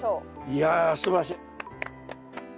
いやすばらしい。